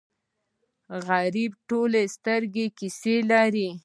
غریب د ټولو ستړې کیسې لري